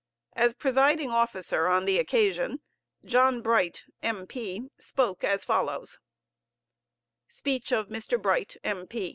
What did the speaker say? As presiding officer on the occasion, John Bright, M.P. spoke as follows: SPEECH OF MR. BRIGHT, M.